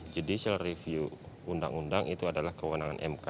judicial review undang undang itu adalah kewenangan mk